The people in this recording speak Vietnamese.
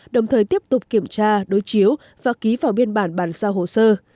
đồng thời tiếp tục kiểm tra đối chiếu và ký vào biên bản bàn sao hồ sơ